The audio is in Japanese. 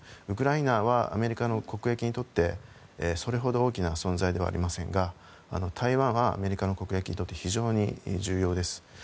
ウクライナはアメリカの国益にとってそれほど大きな存在ではありませんが台湾はアメリカの国益にとって非常に重要です。